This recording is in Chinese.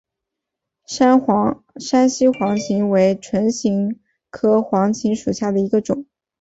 山西黄芩为唇形科黄芩属下的一个种。